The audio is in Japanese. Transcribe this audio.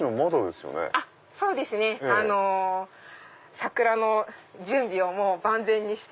桜の準備を万全にして。